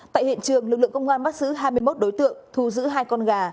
tại hiện trường lực lượng công an bác sứ hai mươi một đối tượng thu giữ hai con gà